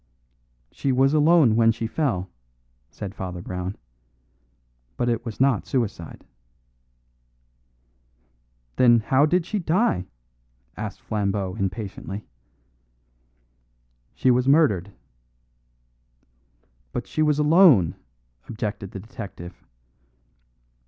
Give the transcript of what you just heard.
"She was alone when she fell," said Father Brown, "but it was not suicide." "Then how did she die?" asked Flambeau impatiently. "She was murdered." "But she was alone," objected the detective.